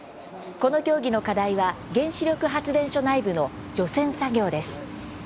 この競技の課題は原子力発電所内部の除染作業です。